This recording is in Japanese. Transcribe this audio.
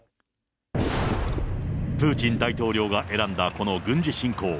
プーチン大統領が選んだこの軍事侵攻。